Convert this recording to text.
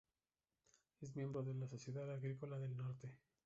Es miembro de la Sociedad Agrícola del Norte.